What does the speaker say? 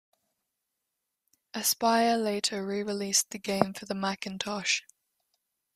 Aspyr later re-released the game for the Macintosh.